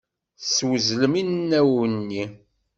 Teswezlem inaw-nni.